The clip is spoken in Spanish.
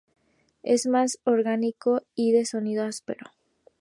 Es más orgánico y de sonido áspero.